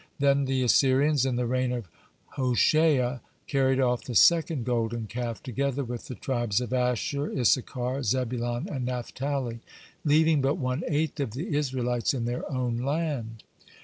Then the Assyrians, in the reign of Hoshea, carried off the second golden calf together with the tribes of Asher, Issachar, Zebulon, and Naphtali, leaving but one eighth of the Israelites in their own land.